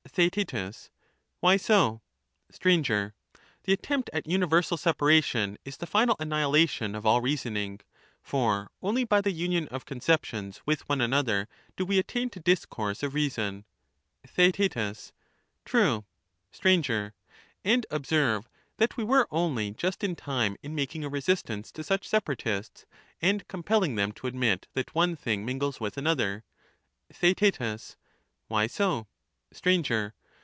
TheaeU Why so ? Sir. The attempt at universal separation is the final anni 260 hilation of all reasoning ; for only by the union of conceptions with one another do we attain to discourse of reason. TheaeU True. Sir, And, observe that we were only just in time in making a resistance to such separatists, and compelling them to admit that one thing mingles with another. TheaeU Why so ? 5/r.